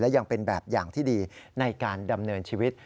ยังเป็นแบบอย่างที่ดีในการดำเนินชีวิต